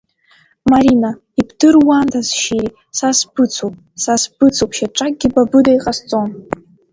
Марина, ибдыруандаз шьыри, са сбыцуп, са сбыцуп шьаҿакгьы ба быда иҟасҵом.